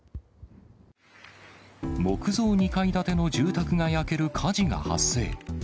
木造２階建ての住宅が焼ける火事が発生。